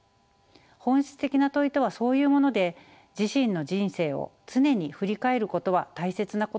本質的な問いとはそういうもので自身の人生を常に振り返ることは大切なことなのかもしれません。